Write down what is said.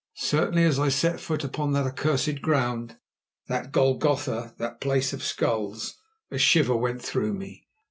Certainly as I set foot upon that accursed ground, that Golgotha, that Place of Skulls, a shiver went through me.